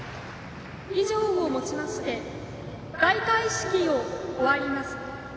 以上をもちまして開会式を終わります。